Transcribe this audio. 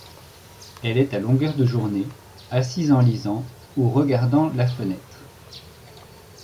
Elle est à longueur de journée assise en lisant ou regardant la fenêtre.